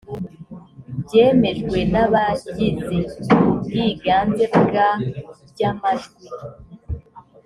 byemejwe n abagize ubwiganze bwa by amajwi